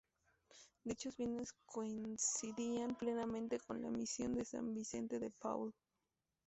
Dichos fines coincidían plenamente con la misión de San Vicente de Paúl.